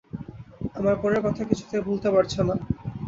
আমার পণের কথা কিছুতেই ভুলতে পারছ না।